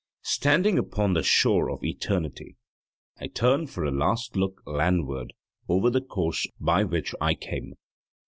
Standing upon the shore of eternity, I turn for a last look landward over the course by which I came.